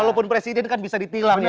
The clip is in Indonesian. kalaupun presiden kan bisa ditilang ya